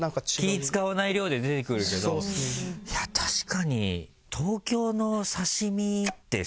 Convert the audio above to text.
気使わない量で出てくるけどいや確かに。